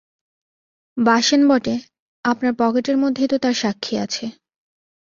বাসেন বটে, আপনার পকেটের মধ্যেই তো তার সাক্ষী আছে।